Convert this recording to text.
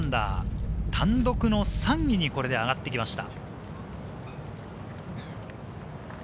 単独３位に上がってきました。